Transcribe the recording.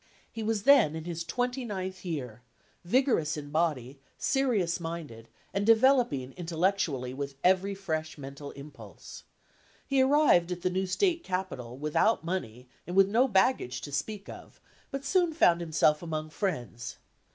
He was then in his twenty ninth year, vigorous in body, serious minded, and developing intellectually with every fresh mental impulse. He arrived at 58 ADMISSION TO THE BAR the new State capital 1 without money and with no baggage to speak of, but soon found himself among friends.